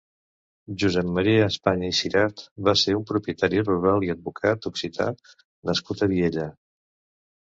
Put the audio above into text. Josep Maria Espanya i Sirat va ser un propietari rural i advocat occità nascut a Viella.